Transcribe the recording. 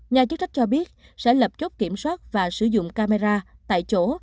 nhà chức trách cho biết sẽ lập chốt kiểm soát và sử dụng camera tại chỗ